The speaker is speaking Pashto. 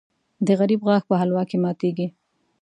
د غریب غاښ په حلوا کې ماتېږي .